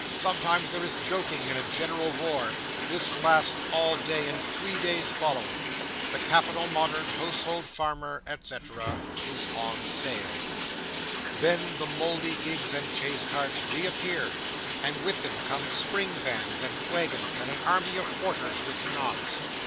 Sometimes there is joking and a general roar. This lasts all day and three days following. The Capital Modern Household Furniture, &c., is on sale. Then the mouldy gigs and chaise carts reappear; and with them come spring vans and waggons, and an army of porters with knots.